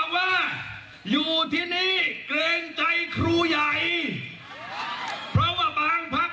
ข้ายก็มีแต่ยาเสพติบเต็มไปหมด